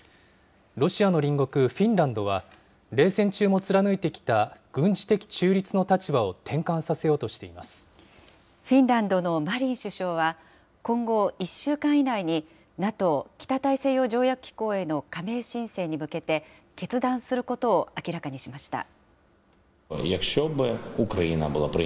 ロシアの隣国フィンランドは、冷戦中も貫いてきた軍事的中立の立フィンランドのマリン首相は、今後１週間以内にＮＡＴＯ・北大西洋条約機構への加盟申請に向けて、決断することを明らかにしました。